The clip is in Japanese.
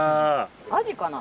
アジかな？